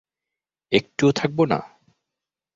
একটুও থাকব না?